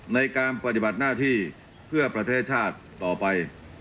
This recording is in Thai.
ในการปฏิบัติหน้าที่เพื่อประเทศชาติต่อไป